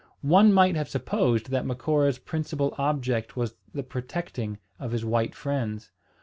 One might have supposed that Macora's principal object was the protecting of his white friends.